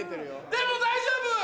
でも大丈夫！